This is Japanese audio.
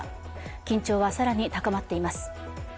緊張は更に高まっています。